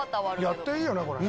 やっていいよねこれ。